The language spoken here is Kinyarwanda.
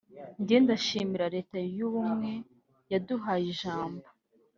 jye ndashimira Leta y’ubumwe yaduhaye ijambo”